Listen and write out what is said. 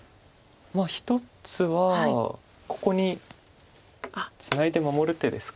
一つはここにツナいで守る手ですか。